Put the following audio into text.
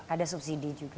ada subsidi juga